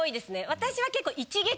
私は結構。